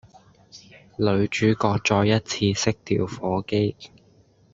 女主角再一次熄掉火機